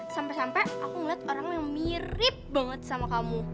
sampai sampai aku ngeliat orang yang mirip banget sama kamu